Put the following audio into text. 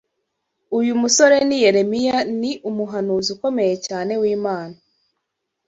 Uyu musore ni Yeremiya Ni umuhanuzi ukomeye cyane w’Imana